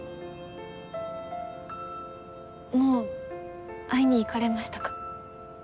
もう会いに行かれましたか？